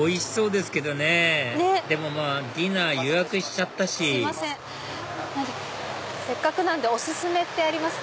おいしそうですけどねでもディナー予約しちゃったしせっかくなんでお薦めあります？